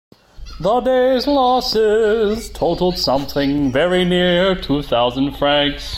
The day's losses totalled something very near two thousand francs.